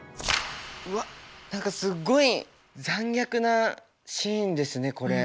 うわっ何かすごい残虐なシーンですねこれ。